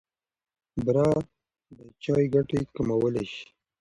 بوره د چای ګټې کمولای شي.